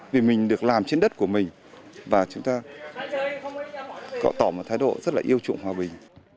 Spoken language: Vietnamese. vì mình được làm trên đất của mình và chúng ta cọ tỏ tỏ một thái độ rất là yêu trụng hòa bình